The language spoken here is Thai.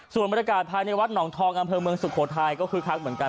ส่วนบรรยากาศภายในวัดหนองทองอำเภอเมืองสุโขทัยก็คือคักเหมือนกัน